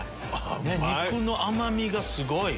肉の甘みがすごい！